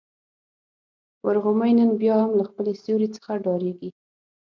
ورغومی نن بيا هم له خپل سیوري څخه ډارېږي.